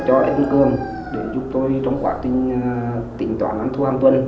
cho em cường để giúp tôi trong quá trình tính toán thu hàng tuần